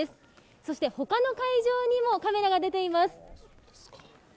そして、他の会場にもカメラが出ています。